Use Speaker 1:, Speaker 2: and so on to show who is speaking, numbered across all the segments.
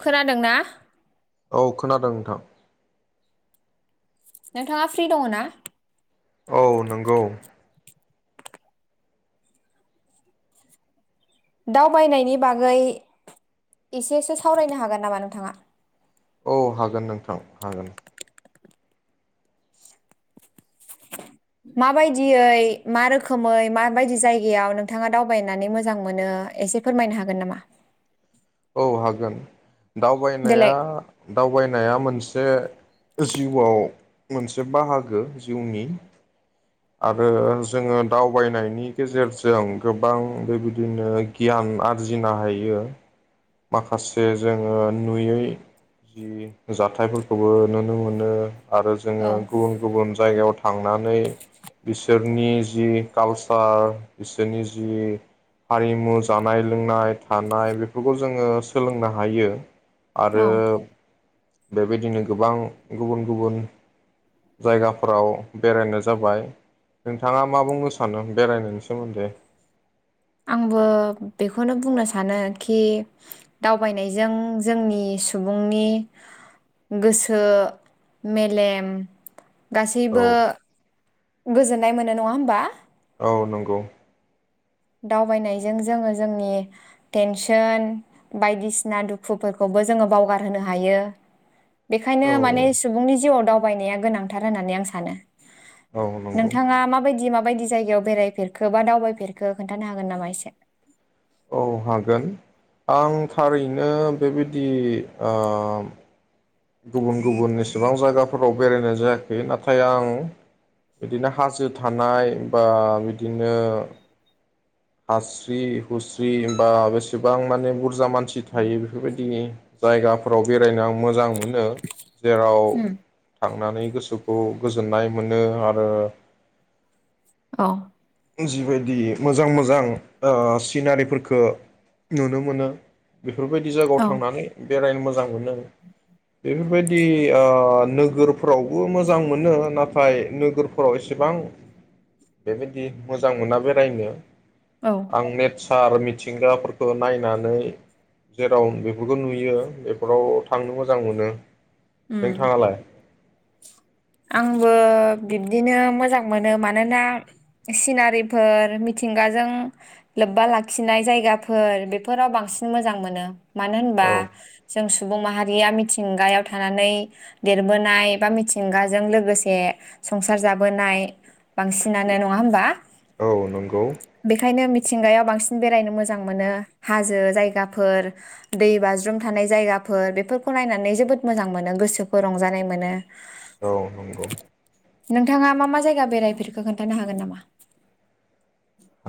Speaker 1: खोनादों ना
Speaker 2: औ खोनादों नोंथां
Speaker 1: नोंथाङा फ्रि दङ ना।
Speaker 2: औ नोंगौ
Speaker 1: दावबायनायनि बागै एसेसो सावरायनो हागोन नामा नोंथाङा।
Speaker 2: औ हागोन नोंथां हागोन।
Speaker 1: माबायदियै मा रोखोमै माबायदि जायगायाव नोंथाङा दावबायनानै मोजां मोनो एसे फोरमायनो हागोन नामा?
Speaker 2: औ हागोन
Speaker 1: देलाय
Speaker 2: दावबायनाया दावबायनाया मोनस। से जिउआव मोनसे बाहागो जिउनि आरो जोङो दावबायनायनि गेजेरजों गोबां बेबादिनो गियान आरजिनो हायो। माखासे जोङो नुयै जि जाथायफोरखौबो नुनो मोनो। आरो जोङो
Speaker 1: औ
Speaker 2: गुबुन गुबुन जायगायाव । थांनानै बिसोरनि जि कालसार बिसोरनि जि हारिमु जानाय लोंनाय थानाय बेखौ। जोङो सोलोंनो हायो आरो बेबायदिनो गोबां गुबुन गुबुन जायगाफोराव बेरायनाय जाबाय नोंथाङा मा बुंनो सानो बेरायनायनि सोमोन्दै।
Speaker 1: आंबो बेखौनो बुंनो सानो खि दावबायनायजों जोंनि सुबुंनि गोसो मेलेम।
Speaker 2: औ
Speaker 1: गासैबो गोजोन्नाय मोनो नङा होमबा।
Speaker 2: औ नंगौ
Speaker 1: दावबायनायजों जोङो जोंनि टेनसन बायदिसिना दुखुफोरखौबो जोङो बावगार होनो हायो। बेखायनो
Speaker 2: औ
Speaker 1: माने सुबुंनि जिउ आव दाव । बायनाया गोनांथार होननानै आं सानो।
Speaker 2: औ औ नंगौ
Speaker 1: नोंथाङा माबायदि माब । माबायदि जायगायाव बेरायफेरखो बा दावबायफेर । खो खोन्थानो हागोन नामा एसे।
Speaker 2: औ हागोन आं थारैनो बेबादि ओम। गुबुन गुबुन एसेबां जायगाफोराव बेरायनाय जायाखै नाथाय आं बिदिनो हाजो थानाय बा बिदिनो। हास्रि हुस्रि बा बेसेबां माने बुरजा मानसि थायो बेफोरबायदि जायगाफोराव बेरायनो आं मोजां मोनो। जेराव
Speaker 1: उम
Speaker 2: थांनानै गोसो । खौ गोजोन्नाय मोनो आरो
Speaker 1: अ
Speaker 2: जिबायदि मोजां मोजां सिनारिफोरखो नुनो मोनो। बेफोरबायदि जागायाव
Speaker 1: औ
Speaker 2: थांनानै बेरायनो मोज । जां मोनो बेफोरबायदि ओ-नोगोरफोरावबो मोजां मोनो नाथाय नोगोरफोराव एसेबां बेबाद । दि मोजां मोना बेरायनो।
Speaker 1: औ
Speaker 2: आं नेटस सार मिथिंगाफोरखौ नायनानै जेराव बेफोरखौ नुयो बेफोराव थांनो मोजां मोनो।
Speaker 1: उम
Speaker 2: नोंथाङालाय
Speaker 1: आंबो बिब्दिनो मोजां मोनो मानोना सिनारिफोर मिथिंगाजों लोब्बा लाखिनाय जायगाफोर बेफोराव बांसिन मोजां मोनो। मानो होनबा
Speaker 2: औ
Speaker 1: जों सु बुं माहारिया मिथिंगायाव थानानै देरबोनाय बा मिथिंगा जों लोगोसे संसार जाबोनाय बांसिनानो नङा होमबा
Speaker 2: औ नंगौ
Speaker 1: बेखायनो मिथिंगायाव बांसिन बेरायनो मोजां मोनो हाजो जायगाफोर दै बाज्रुम थानाय जायगाफोर बेफोरखौ नायनानै जोबोद मोजां मोनो गोसोखौ रंजानाय मोनो।
Speaker 2: औ नंगौ
Speaker 1: नोंथाङा मा मा जायगा बेरायफेरखो खोन्थानो हागोन नामा?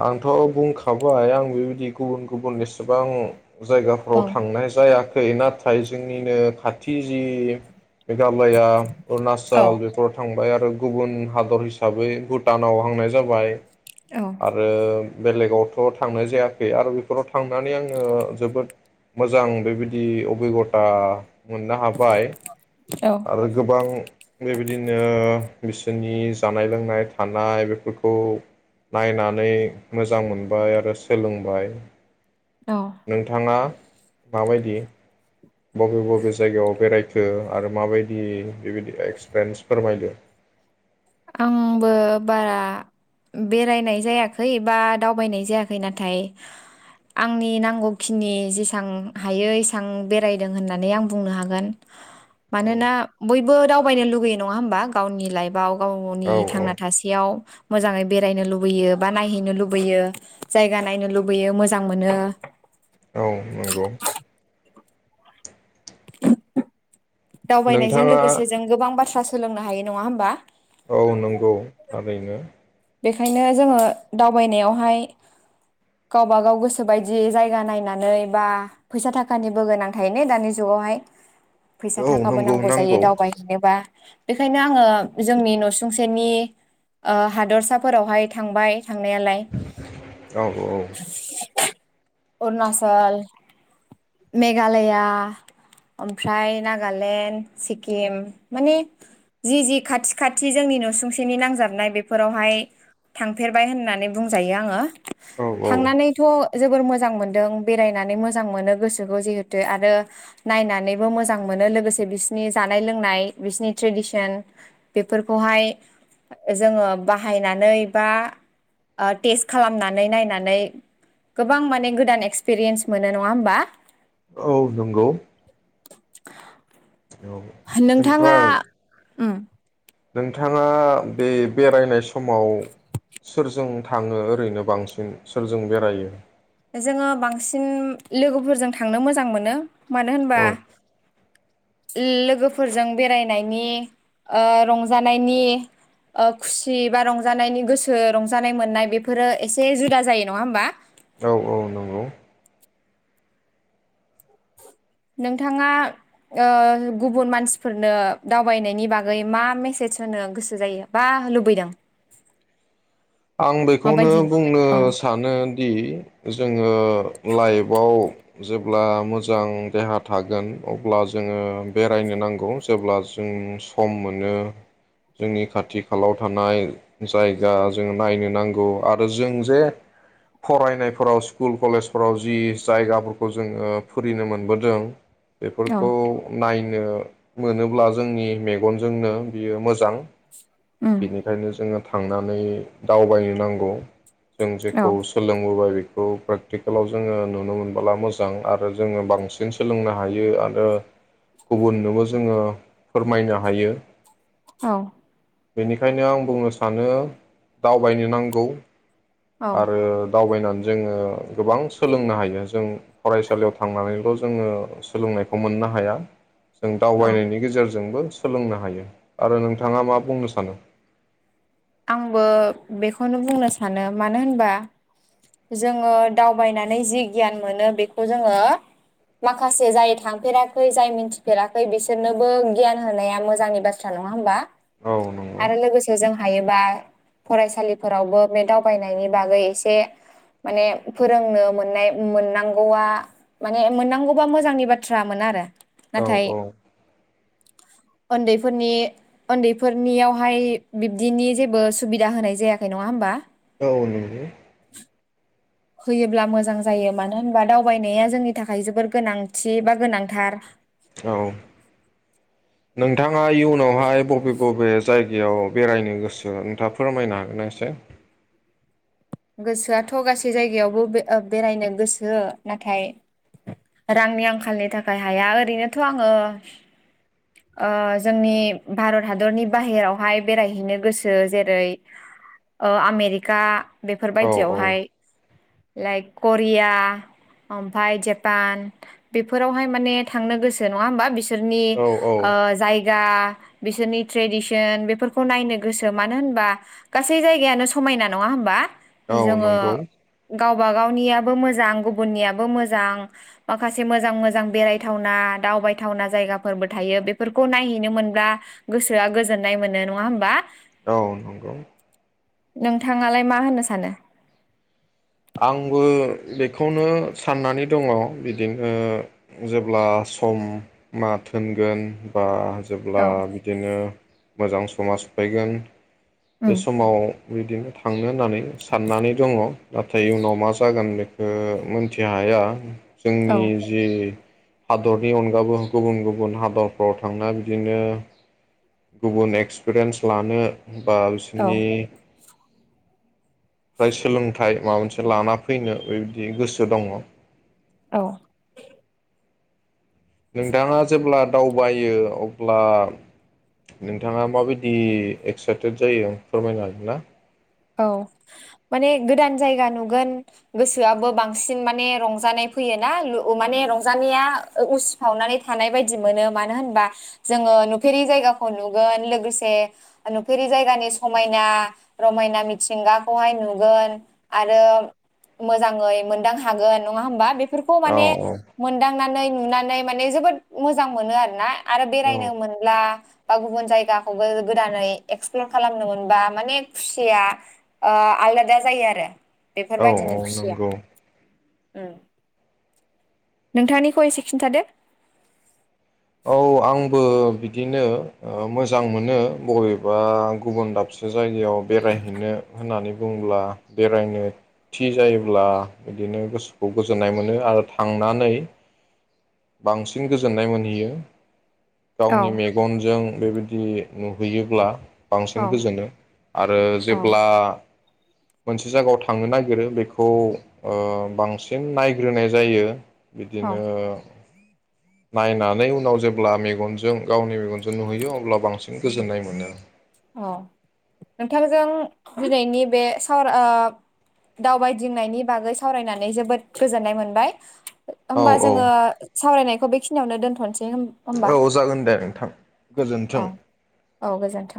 Speaker 2: आंथ' बुंखाबाय आं बेबायदि गुबुन गुबुन एसेबां
Speaker 1: औ
Speaker 2: जायगाफोराव थांनाय जायाखै नाथाय नाथाय जोंनिनो खाथि जि मेघालया अरुणाचल बेफोराव थांबाय आरो गुबुन हादर हिसाबै भुटानाव हांनाय जाबाय। आरो बेलेगावथ' थांनाय जायाखै आरो बेफोराव थांनानै आङो जोबोद मोजां बेबायदि अभिगटा मोननो हाबाय। आरो गोबां बेबायदिनो बिसोरनि जानाय-लोंनाय थानाय बेफोरखौ नायनानै मोजां मोनबाय आरो सोलोंबाय।
Speaker 1: औ
Speaker 2: नोंथाङा माबायदि बबे बबे जायगायाव बेरायखो आरो माबायदि बेबायदि एक्सपिरियेन्स फोरमायदो।
Speaker 1: आंबो बारा बेरायनाय जायाखै बा दावबायनाय जायाखै नाथाय आंनि नांगौखिनि जेसबां हायो एसबां बेरायदों होननानै आं बुंनो हागोन
Speaker 2: औ
Speaker 1: मानोना बयबो दावबायनो लुगैयो नङा हबा गावनि लाइफआव। गाव गावनि
Speaker 2: औ
Speaker 1: थांना थासेयाव। मोजाङै बेरायनो लुबैयो बा नायहैनो लुबैयो जायगा नायनो लुबैयो मोजां मोनो।
Speaker 2: औ नंगौ।
Speaker 1: दावबायनायजों
Speaker 2: नोंथाङा
Speaker 1: लोगोसे जों गोबां बाथ्रा सोलोंनो हायो नङा होमबा।
Speaker 2: औ नंगौ। थारैनो।
Speaker 1: बेखायनो जोङो दावबायनायावहाय गावबागाव गोसोोबायदि जायगा नायनानै बा फैसा थाखानिबो गोनां थाय न दानि जुगावहाय? फैसा
Speaker 2: औ
Speaker 1: थाखाबो
Speaker 2: नंगौ
Speaker 1: नांगौ जायो दावबायहैनोबा। बेनिखायनो आङो जोंनि न'सुंसेनि हाद फसाफोरावहाय थांबाय । थांनायालाय।
Speaker 2: औ
Speaker 1: अरुणचल, मेघालया, ओमफ्राय नागालेण्ड, सिक्किम माने जि जि खाथि खाथि जोंनि नसुंसेनि नांजाबनाय बेफोरावहाय थांफेरबाय होननानै बुंजायो आङो।
Speaker 2: औ औ
Speaker 1: थांनानैथ' जोबोर मोजां मोनदों बेरायनानै मोजां मोनो गोसोखौ जिहेथु आरो नायनानैबो मोजां मोनो लोगोसे बिसनि जानाय लोंनाय बिसिनि ट्रेडिसन बेफोरखौहाय जोङो बाहा यनायनानै बा टेस्ट खालामनानै नायनानै गोबां माने गोदान एक्सपिरियेन्स मोनो नङा होमबा।
Speaker 2: औ नंगौ। औ ओमफ्राय
Speaker 1: उम
Speaker 2: नोंथाङा बे बेरायनाय समाव सोरजों थाङो ओरैनो बांसिन सोरजों बेरायो
Speaker 1: जोङो बांसिन लोगोफोरजों थांनो मोजां मोनो मानो होनबा
Speaker 2: औ
Speaker 1: लोगोफोरजों बेरायनायनि ओ रंजानायनि खुसि बा रंजानायनि गोसो रंजानाय मोननाय बेफोरो एसे जुदा जायो नङा होमबा
Speaker 2: औ औ नंगौ
Speaker 1: नोंथाङा ओ गुबुन मानसिफोरनो दावबायनायनि बागै मा मेसेज होनो गोसो जायो बा लुबैदों
Speaker 2: आं बेखौनो
Speaker 1: माबायदि
Speaker 2: बुंनो
Speaker 1: औ
Speaker 2: सानो दि जोङो लाइफआव जेब्ला मोजां देहा थागोन अब्ला जोङो बेरायनो नांगौ जेब्ला जों सम मोनो जोंनि खाथि खालायाव थानाय जायगा जो नायनो नांगौ आरो जों जे फरायनायफोराव स्कुल कलेजफोराव जि जायगाफोरखौ जोङो फोरिनो मोनबोदों
Speaker 1: औ
Speaker 2: बेफोरखौ नायनो मोनोब्ला जोंनि मेगनजोंनो बियो मोजां
Speaker 1: उम
Speaker 2: बेनिखायनो जोङो थांनानै दावबाय नांगौ जों
Speaker 1: औ
Speaker 2: जेखौ सोलोंबोबाय औ प्रेकटिकेलाव जोङो नुनो मोनबोला मोजां आरो जोङो बांसिन सोलोंनो हायो आरो गुबुननोबो जो जोङो फोरमायनो हायो
Speaker 1: औ
Speaker 2: बेनिखायनो आं बुंनो सानो दावबायनो नांगौ
Speaker 1: औ
Speaker 2: आरो दावबायना जोङो गोबां सोलोंनो हायो जों फरायसालियाव थांनानैल' जोङो सोलोंनायखौ मोननो हाया जों
Speaker 1: औ
Speaker 2: दावबायनायनि गेजेरजोंबो सोलोंनो हायो आरो नोंथाङा मा बुंनो सानो
Speaker 1: आंबो बेखौनो बुंनो सानो मानो होनबा जोङो दावबायनानै जि गियान मोनो बेखौ जोङो माखासे जाय थांफेराखै जाय मिथिफेराखै बिसोरनोबो गियान होनाया मोजांनि बाथ्रा नङा होमबा
Speaker 2: औ नंगौ
Speaker 1: आरो लोगो से जों हायोबा फरायसालिफोरावबो बे दावबायनायनि बागै एसे माने फोरोंनो मोननाय मोननांगौआ माने मोननांगौबा मोजांनि बाथ्रामोन आरो
Speaker 2: औ
Speaker 1: नाथाय
Speaker 2: औ
Speaker 1: उन्दैफोरनि उन्दैफोरनियावहाय बिब्दिनि जेबो सुबिदा होनाय जायाखै नङा होमबा?
Speaker 2: औ नंगौ
Speaker 1: होयोब्ला मोजां जायो मानो होनबा दावबायनाया जोंनि थाखाय जोबोर गोनांथि बा गोनांथार।
Speaker 2: औ नोंथाङा इयुनावहाय बबे बबे जायगायाव बेरायनो गोसो नोंथाङा फोरमायनो हागोनना एसे?
Speaker 1: गोसोआथ' गासै जायगायावबो बे-बेरायनो गोसो नाथाय रांनि आंखालनि थाखाय हाया ओरैनोथ' आङो ओ जोंनि भारत हादरनि बाहेरावहाय बेरायहैनो गोसो जेरै ओ आमेरिका।
Speaker 2: औ औ
Speaker 1: बेफोरबायदियावहाय । लाइक करिया ओमफ्राय जापान बेफोरावहाय माने थांनो गोसो नङा होमबा बि सोरनि
Speaker 2: औ औ
Speaker 1: ओ जाय गा बिसोरनि ट्रेडिसन बेफोरखौ नायनो गोसो मानो होनबा गासै जायगायानो समायना नङा होनबा?
Speaker 2: औ
Speaker 1: जोङो
Speaker 2: नंगौ
Speaker 1: गाव बागावनियाबो मोजां गुबुननियाबो मोजां माखासे मोजां मोजां बेरायथावना दावबायथावना जायगाफोरबो थायो बेफोरखौ नायहैनो मोनब्ला गोसोआ गोजोननाय मोनो नङा होमबा?
Speaker 2: औ नंगौ।
Speaker 1: नोंथाङालाय मा होनो स सानो?
Speaker 2: आंबो बेखौनो साननानै दङ बिदिनो जेब्ला सम मा थोनगोन बा जेब्ला
Speaker 1: औ
Speaker 2: बिदिनो मोजां समा सफैगोन बे
Speaker 1: उम
Speaker 2: समाव बिदिनो थांनो होननानै साननानै दङ। नाथाय इयनाव मा जागोन बेखौ मिथि हाया।
Speaker 1: औ
Speaker 2: जोंनि जि हादरनि अनगाबो गुबुन गुबुन हादरफ्राव थांना बिदिनो गुबुन एक्सपिरियेन्स लानो बा
Speaker 1: औ
Speaker 2: बिसिनि फ्राय सोलोंथाइ माबा मोनसे लाना फैनो बेबायदि गोसो दङ।
Speaker 1: औ।
Speaker 2: नोंथाङा जेब्ला दावबायो अब्ला नोंथाङा माबायदि एक्साइटेड जायो फोरमायनो हागोन ना?
Speaker 1: औ माने गोदान जायगा नुगोन गोसोआबो बांसिन माने रंजानाय फैयोना ओ माने रंजानाया उसिफावनानै थानाय बायदि मोनो मानो होनबा जोङो नुफेरि जायगाखौ नुगोन लोगोसे नुफेरि जायगानि समायना रमायना मिथिंगाखौहाय नुगोन आरो मोजाङै मोनदां हागोन नङा होमबा बे फोरखौ
Speaker 2: औ
Speaker 1: माने मोनदांनानै नुनानै माने जोबोद मोजां मोनो आरोना। आरो
Speaker 2: औ
Speaker 1: बेरायनो मोनब्ला बा गुबुन जायगाखौबो गोदानै एक्सप्लर खालामनो मोनबा माने खुसिया ओ आलादा जायो आरो ।
Speaker 2: औ औ नंगौ।
Speaker 1: उम नोंथांनिखौ एसे खिन्थादो।
Speaker 2: औ आं बो बिदिनो ओ मोजां मोनो बबेबा गुबुन दाबसे जायगा याव बेरायहैनो होननानै । बुंब्ला बेरायनो थि जायोब्ला बिदिनो गोसोखौ गोजोननाय मोनो आरो थांनानै बांसिन गोजोननाय मोनहैयो।
Speaker 1: औ
Speaker 2: गावनि मेगनजों बेबायदि नुहैयोब्ला बांसिन
Speaker 1: औ
Speaker 2: गोजोनो आरो
Speaker 1: औ
Speaker 2: जेब्ला मोनसे जायगायाव थांनो नागिरो बेखौ ओ बांसिन नायग्रोनाय जायो।
Speaker 1: औ
Speaker 2: बिदिनो नायनानै उनाव जेब्ला मेगनजों गावनि मेगनजों नुहैयो अब्ला बांसिन गोजोननाय मोनो।
Speaker 1: अ नोंथांजों दिनैनि बे सावराय दावबायदिंनायनि बागै सावरायनानै जोबोद गोजोननाय मोनबाय।
Speaker 2: औ
Speaker 1: होमबा
Speaker 2: औ
Speaker 1: जोङो सावरायनाय खौ बेखिनियाव दोनथ'सै।
Speaker 2: औ जागोन दे नोंथां गोजोनथों।
Speaker 1: औ औ गोजोन्थों